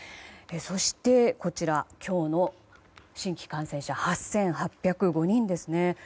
そして、今日の新規感染者８８０５人ですね。